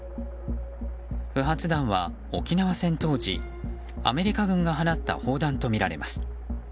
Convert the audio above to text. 不発弾は沖縄戦当時アメリカ軍が放った砲弾とみられます。